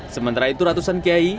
sementara itu ratusan kiai